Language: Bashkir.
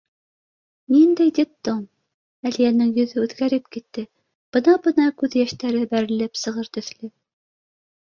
Ниндәй детдом? — Әлиәнең йөҙө үҙгәреп китте, бына-бына күҙ йәштәре бәрелеп сығыр төҫлө.